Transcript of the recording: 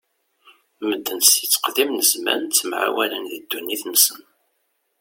Medden si tteqdim n zzman ttemɛawanen di ddunit-nsen.